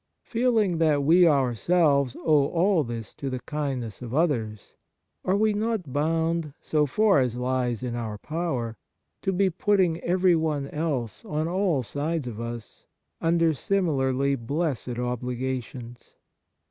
Feeling that we ourselves owe all this to the kindness of 90 Kindness others, are we not bound, as far as lies in our power, to be putting everyone else on all sides of us under similarly blessed obligations